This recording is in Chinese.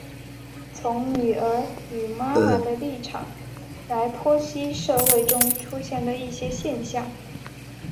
从女儿与妈妈的立场来剖析社会中出现的一些现象。